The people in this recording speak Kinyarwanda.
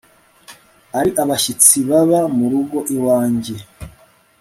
ari abashyitsi baba mu rugo iwanjye